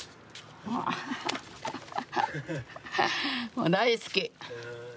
もう大好き。